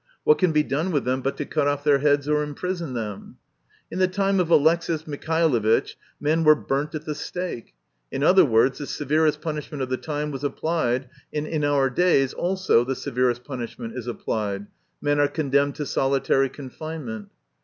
What can be done with them but to cut off their heads or imprison them ? In the time of Alexis Michaelovitch men were burnt at the stake; in other words, the severest punish ment of the time was applied, and in our days also the severest punishment is applied; men are condemned to solitary confinement.